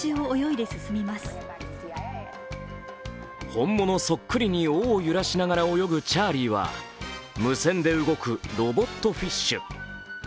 本物そっくりに尾を揺らしながら泳ぐチャーリーは無線で動くロボットフィッシュ。